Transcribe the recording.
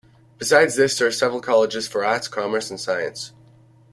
Besides this, there are several colleges for arts, commerce and science.